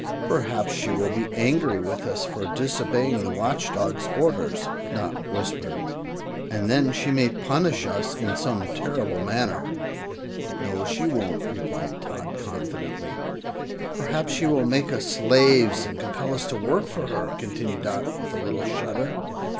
"Perhaps she will be angry with us for disobeying the Watch Dog's orders," Dot whispered; "and then she may punish us in some terrible manner." "No, she won't," replied Tot, confidently. "Perhaps she will make us slaves and compel us to work for her," continued Dot, with a little shudder.